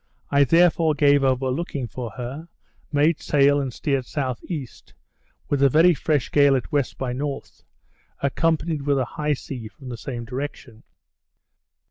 I therefore gave over looking for her, made sail, and steered S.E., with a very fresh gale at W. by N., accompanied with a high sea from the same direction.